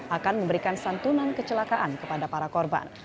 akan memberikan santunan kecelakaan kepada para korban